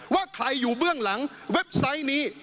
ว่าใครอยู่เบื้องหลังเว็บไซต์นี้